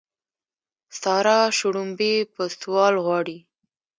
سارا شړومبې په سوال غواړي.